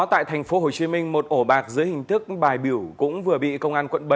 tại tp hcm một ổ bạc dưới hình thức bài biểu cũng vừa bị công an quận bảy